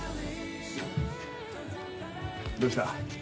どうした？